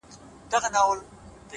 په دې پوهېږمه چي ستا د وجود سا به سم!!